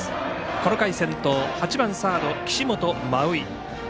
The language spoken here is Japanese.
この回、先頭８番サードの岸本真生。